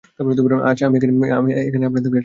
আচ্ছা, আমি এখানেই আপনাকে থামাচ্ছি, ঠিক আছে?